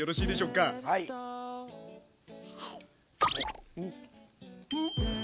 うん！